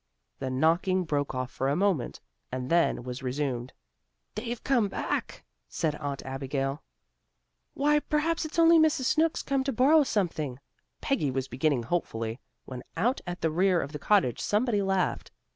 The knocking broke off for a moment, and then was resumed. "They've come back," said Aunt Abigail. "Why, perhaps it's only Mrs. Snooks come to borrow something," Peggy was beginning hopefully, when out at the rear of the cottage somebody laughed.